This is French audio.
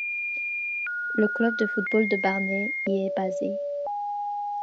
Le club de football de Barnet y est basé.